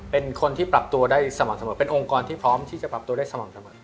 เป็นคนที่ปรับตัวได้สม่ำเสมอเป็นองค์กรที่พร้อมที่จะปรับตัวได้สม่ำเสมอ